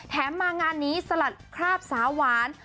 มางานนี้สลัดคราบสาวหวาน